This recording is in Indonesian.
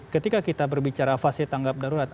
ketika kita berbicara fase tanggap darurat